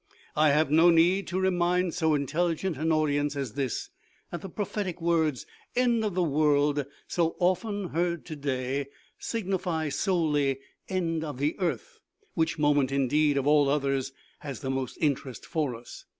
I have no need to remind so intelligent an audience as this that the pro phetic words ' End of the world,' so often heard today, signify solely * End of the earth,' which moment indeed, of all others, has the most interest for us.